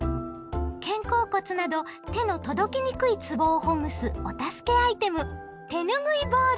肩甲骨など手の届きにくいつぼをほぐすお助けアイテム手ぬぐいボール！